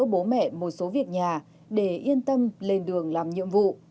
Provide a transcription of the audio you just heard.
cương đã giáo mẹ một số việc nhà để yên tâm lên đường làm nhiệm vụ